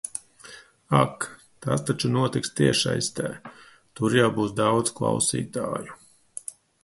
Ak! Tas taču notiks tiešsaitē. Tur jau būs daudz klausītāju.